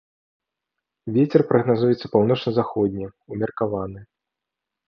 Вецер прагназуецца паўночна-заходні ўмеркаваны.